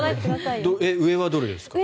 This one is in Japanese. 上はどうですか？